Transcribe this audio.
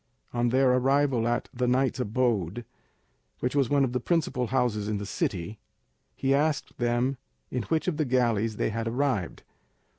On their arrival at the knight's abode, which was one of the principal houses in the city, he asked them in which of the galleys they had arrived.